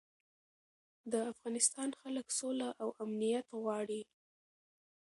د افغانستان خلک سوله او امنیت غواړي.